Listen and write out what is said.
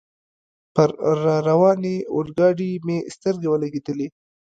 پر را روانې اورګاډي مې سترګې ولګېدلې.